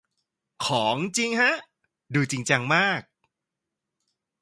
ของจริงฮะ ดูจริงจังมาก